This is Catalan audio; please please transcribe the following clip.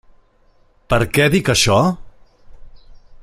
Per què dic això?